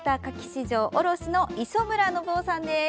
市場卸の磯村信夫さんです。